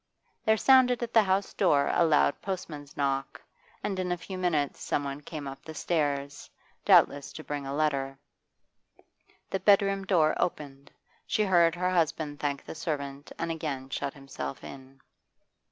There sounded at the house door a loud postman's knock, and in a few minutes someone came up the stairs, doubtless to bring a letter. The bedroom door opened; she heard her husband thank the servant and again shut himself in.